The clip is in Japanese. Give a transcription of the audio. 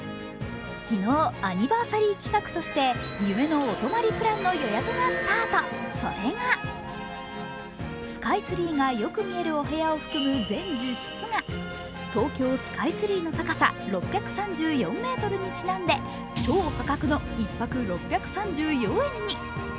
昨日、アニバーサリー企画として夢のお泊まりプランの予約がスタート、それがスカイツリーがよく見えるお部屋を含む全１０室が東京スカイツリーの高さ６３４ｍにちなんで、超破格の１泊６３４円に。